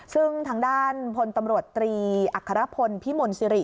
ซึ่งทางด้านพลตำรวจตรีอัครพลพิมลสิริ